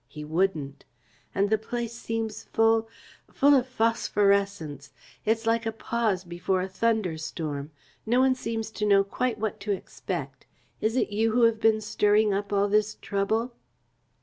He wouldn't. And the place seems full full of phosphorescence. It's like a pause before a thunder storm. No one seems to know quite what to expect. Is it you who have been stirring up all this trouble?"